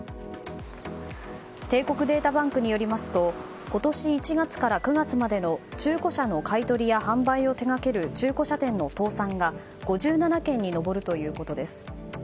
帝国データバンクによりますと今年１月から９月までの中古車の買い取りや販売を手掛ける中古車店の倒産が５７件に上るということです。